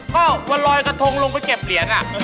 ก็วันลอยกระทงลงไปเก็บเหรียญ